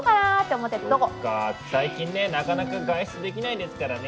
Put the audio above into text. そっか最近ねえなかなか外出できないですからね。